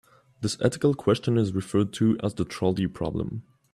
This ethical question is referred to as the trolley problem.